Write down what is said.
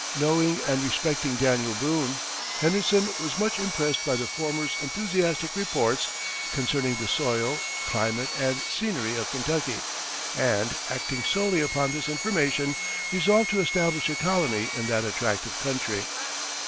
Knowing and respecting Daniel Boone, Henderson was much impressed by the former's enthusiastic reports concerning the soil, climate, and scenery of Kentucky; and, acting solely upon this information, resolved to establish a colony in that attractive country.